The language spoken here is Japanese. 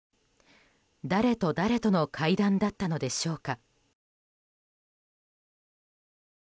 誰と誰との会談だったのでしょうか。